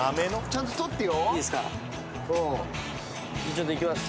ちょっといきます。